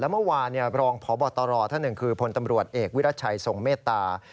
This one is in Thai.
เมื่อวานรองพบตรท่านหนึ่งคือพลตำรวจเอกวิรัชัยทรงเมตตา